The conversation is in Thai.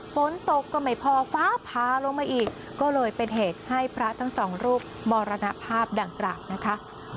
ฝนตกก็ไม่พอฟ้าพาลงมาอีกก็เลยเป็นเหตุให้พระทั้งสองรูปมรณภาพดังกล่าวนะคะ